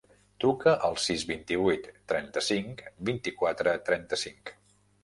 Truca al sis, vint-i-vuit, trenta-cinc, vint-i-quatre, trenta-cinc.